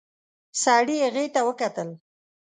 سړي هغې ته وکتل.